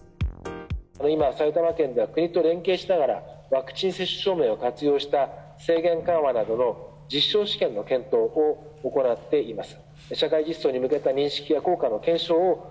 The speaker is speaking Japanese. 今、埼玉県では国と連携しながら、ワクチン接種証明を活用した制限緩和などの実証試験の検討を行っています。